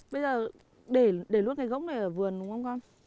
bây giờ để luôn cái gỗ này ở vườn đúng không con